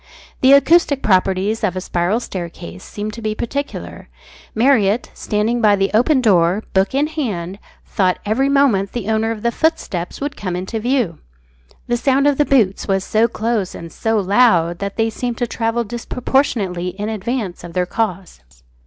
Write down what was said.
The acoustic properties of a spiral staircase seem to be peculiar. Marriott, standing by the open door, book in hand, thought every moment the owner of the footsteps would come into view. The sound of the boots was so close and so loud that they seemed to travel disproportionately in advance of their cause.